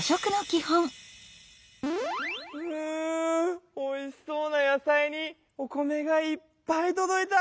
うおいしそうな野菜にお米がいっぱいとどいた！